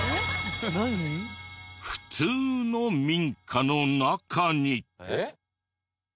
普通の民家の中に。